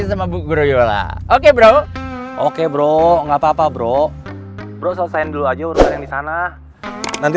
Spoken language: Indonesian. sama bu groyola oke bro oke bro nggak papa bro bro selesain dulu aja urusan yang di sana nanti